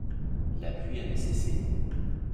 la pluie avait cessé